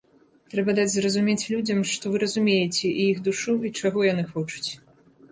Трэба даць зразумець людзям, што вы разумееце і іх душу, і чаго яны хочуць.